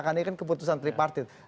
karena ini kan keputusan triparti